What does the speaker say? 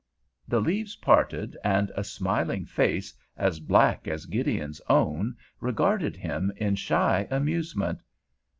The leaves parted, and a smiling face as black as Gideon's own regarded him in shy amusement.